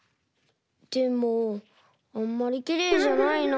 でもあんまりきれいじゃないな。